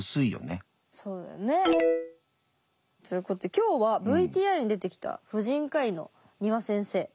そうだよね。ということで今日はＶＴＲに出てきた婦人科医の丹羽先生